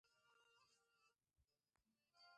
چار مغز د افغانانو لپاره په معنوي لحاظ ارزښت لري.